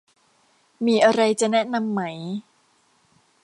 มีอะไรจะแนะนำไหม